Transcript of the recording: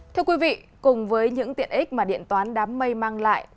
thưa quý vị cùng với những tiện ích mà điện toán đám mây mang lại